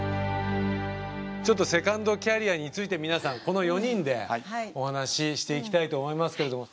ちょっとセカンドキャリアについて皆さんこの４人でお話ししていきたいと思いますけれども。